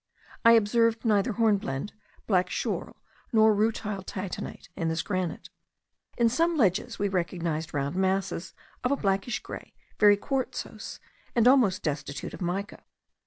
I observed neither hornblende, black schorl, nor rutile titanite, in this granite. In some ledges we recognised round masses, of a blackish gray, very quartzose, and almost destitute of mica.